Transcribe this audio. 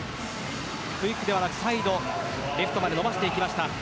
クイックではなくサイドレフトまで伸ばしていきました。